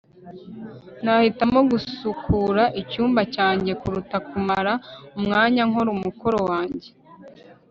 nahitamo gusukura icyumba cyanjye kuruta kumara umwanya nkora umukoro wanjye